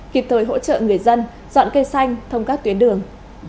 kịp thời hỗ trợ người dân dọn cây xanh thông các tuyến đường